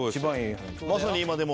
まさに今でも。